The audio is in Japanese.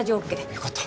よかった。